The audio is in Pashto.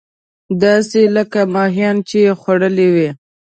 داسې لکه ماهيانو چې خوړلې وي.